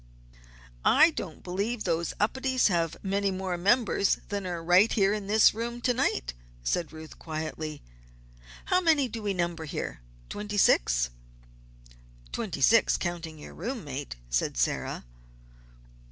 "I don't believe those Upedes have many more members than are right in this room to night," said Ruth, quietly. "How many do we number here twenty six?" "Twenty six, counting your room mate," said Sarah.